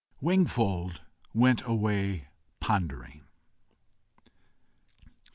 Wingfold went away pondering.